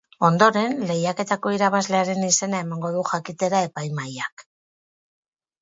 Ondoren, lehiaketako irabazlearen izena emango du jakitera epaimahaiak.